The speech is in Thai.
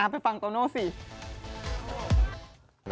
ไปฟังโตโน่สิ